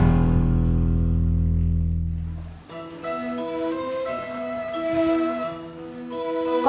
kamu yang harus menguruskan